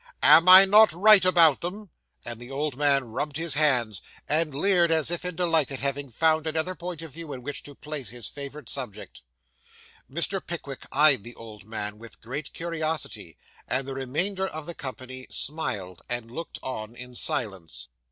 Am I not right about them?' And the old man rubbed his hands, and leered as if in delight at having found another point of view in which to place his favourite subject. Mr. Pickwick eyed the old man with great curiosity, and the remainder of the company smiled, and looked on in silence.